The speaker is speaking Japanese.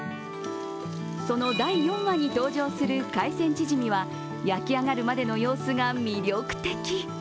その第４話に登場する海鮮チヂミは、焼き上がるまでの様子が魅力的。